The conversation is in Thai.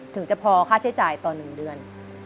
ถึงจะพอค่าใช้จ่ายต่อ๑เดือน